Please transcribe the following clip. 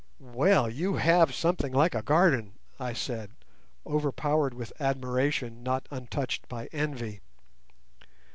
"Well, you have something like a garden!" I said, overpowered with admiration not untouched by envy.